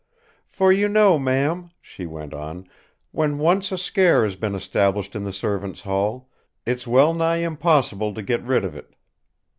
"For you know, ma'am," she went on, "when once a scare has been established in the servants' hall, it's wellnigh impossible to get rid of it.